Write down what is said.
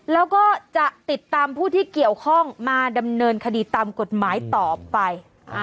แล้วก็จะติดตามผู้ที่เกี่ยวข้องมาดำเนินคดีตามกฎหมายต่อไป